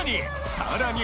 さらに！